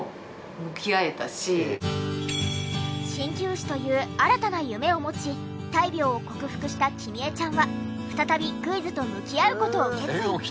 鍼灸師という新たな夢を持ち大病を克服した紀美江ちゃんは再びクイズと向き合う事を決意。